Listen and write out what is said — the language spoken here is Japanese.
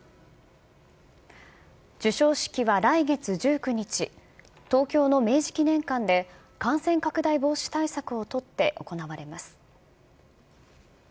授賞式は来月１９日、東京の明治記念館で、感染拡大防止対策を取って行われます。